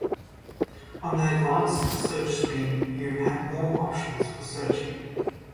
On the Advanced Search screen you have more options for searching.